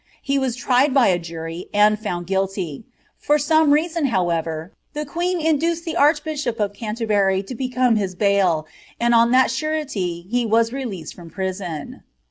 He was tried by a jury, and found guiltvi for some reason, however, the queen induced tlic archbishop c^ Ou terbury to become his bail, and on lliat surely he was reloMed frm prison.'